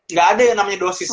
nggak ada yang namanya dosis